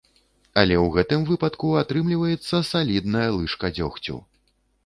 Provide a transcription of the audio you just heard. Але ў гэтым выпадку атрымліваецца салідная лыжка дзёгцю.